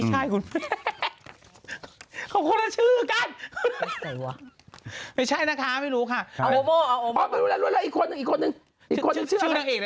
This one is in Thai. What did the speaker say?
เค้าคนชื่อกันไม่ใช่นะคะไม่รู้ค่ะอีกคนนึง